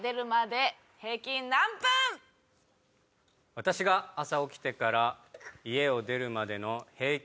私が朝起きてから家を出るまでの平均時間は。